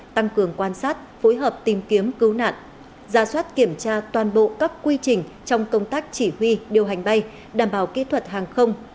tăng cường quan sát phối hợp tìm kiếm cứu nạn ra soát kiểm tra toàn bộ các quy trình trong công tác chỉ huy điều hành bay đảm bảo kỹ thuật hàng không